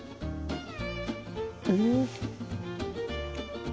うん。